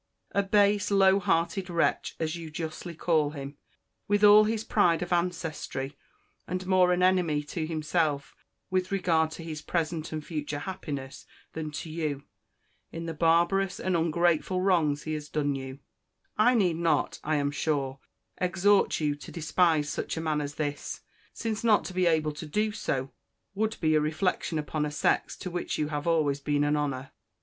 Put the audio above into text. A base, low hearted wretch, as you justly call him, with all his pride of ancestry; and more an enemy to himself with regard to his present and future happiness than to you, in the barbarous and ungrateful wrongs he has done you: I need not, I am sure, exhort you to despise such a man as this, since not to be able to do so, would be a reflection upon a sex to which you have always been an honour.